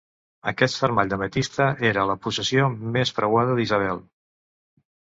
Aquest fermall d'ametista era la possessió més preuada d'Isabelle.